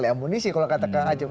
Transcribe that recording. kalau tidak munisi kalau kata pak hajo